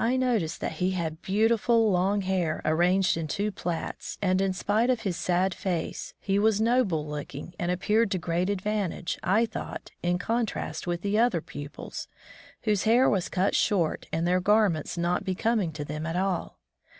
I noticed that he had beautiful long hair arranged in two plaits, and in spite of his sad face he was noble looking and appeared to great advantage, I thought, in contrast with the other pupils, whose hair was cut short and their garments not be coming to them at all.